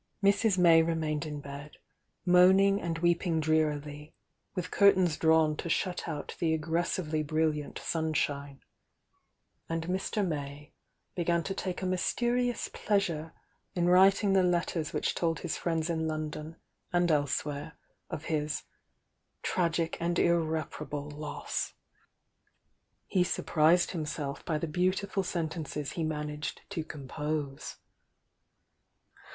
Mrs. May remained in bed, moaning and weeping drearily, with curtains drawn to shut out the aggressively brilliant sun Bhme; and Mr. May began to take a mysterious pleasure m writing the letters which told his friends in London and elsewhere of his "tragic and irrepar able loss." He surprised himself by the beautiful sentences he managed to compose.